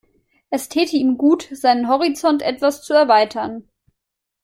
Es täte ihm gut, seinen Horizont etwas zu erweitern.